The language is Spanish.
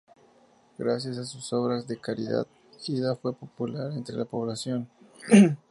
Gracias a sus obras de caridad, Ida fue muy popular entre la población.